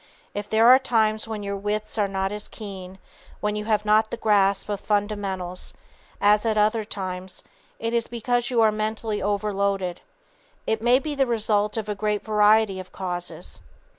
If there are times when your wits are not as keen, when you have not the same grasp of fundamentals, as at other times, it is because you are mentally "overloaded." It may be the result of a great variety of causes.